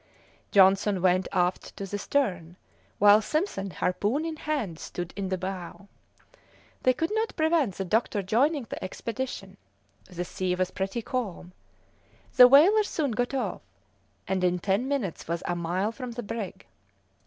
Johnson went aft to the stern, while Simpson, harpoon in hand, stood in the bow. They could not prevent the doctor joining the expedition. The sea was pretty calm. The whaler soon got off, and in ten minutes was a mile from the brig.